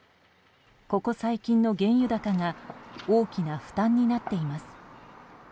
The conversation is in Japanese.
ここ最近の原油高が大きな負担になっています。